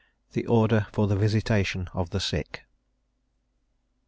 THE ORDER FOR THE VISITATION OF THE SICK.